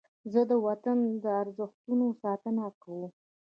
زه د وطن د ارزښتونو ساتنه کوم.